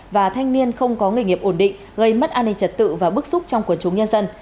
và thanh niên không có nghề nghiệp ổn định gây mất an ninh trật tự và bức xúc trong quần chúng nhân dân